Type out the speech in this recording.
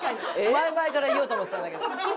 前々から言おうと思ってたんだけど。